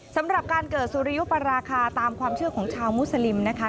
สำหรับการเกิดสุริยุปราคาตามความเชื่อของชาวมุสลิมนะคะ